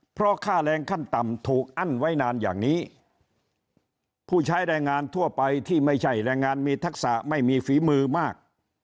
เพราะค่าแรงขั้นต่ำถูกอั้นไว้นานอย่างนี้ผู้ใช้แรงงานทั่วไปที่ไม่ใช่แรงงานมีทักษะไม่มีฝีมือมาก